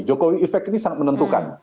jokowi effect ini sangat menentukan